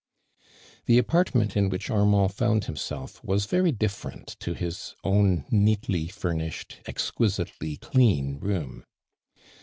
The apartment in which Armand found himself was very different to his own noatly furnished, exquisitely clean room.